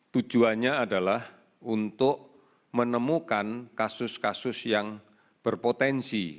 tujuannya adalah untuk menemukan kasus kasus yang berpotensi